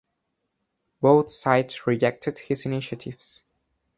Both sides rejected his initiatives.